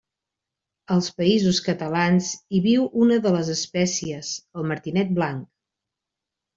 Als Països Catalans hi viu una de les espècies, el martinet blanc.